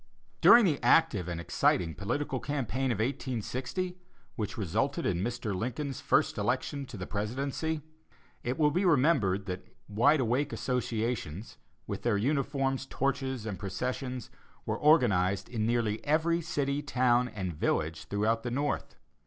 During the active and exciting political campaign of 1860, which resulted in Mr. Lincoln's first election to the presidency, it will be remembered that "Wide Awake" associations, with their uniforms, torches and processions, were organized in nearly every city, town and village throughout the North.